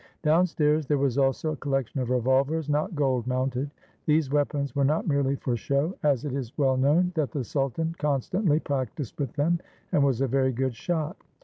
Down stairs there was also a collection of revolvers, not gold mounted. These weapons were not merely for show, as it is well known that the sultan constantly practiced with them and was a very good shot.